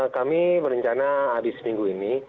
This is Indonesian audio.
kami berencana habis minggu ini